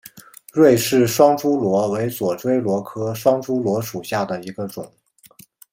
芮氏双珠螺为左锥螺科双珠螺属下的一个种。